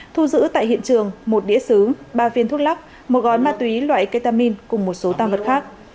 thu giữ tại hiện trường một đĩa xứ ba viên thuốc lắc một gói ma túy loại ketamin cùng một số tam vật khác